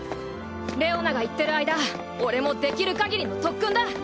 レオナが行ってる間俺もできるかぎりの特訓だ。